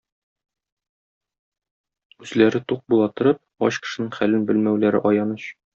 Үзләре тук була торып, ач кешенең хәлен белмәүләре аяныч.